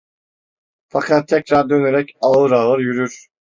Fakat tekrar dönerek ağır ağır yürür.